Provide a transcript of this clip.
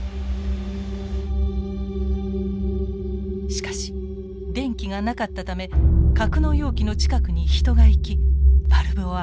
しかし電気がなかったため格納容器の近くに人が行きバルブを開けるしかありません。